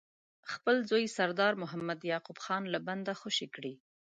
خپل زوی سردار محمد یعقوب خان له بنده خوشي کړي.